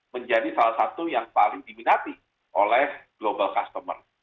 menjadi salah satu yang paling diminati oleh global customer